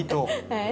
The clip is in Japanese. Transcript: はい。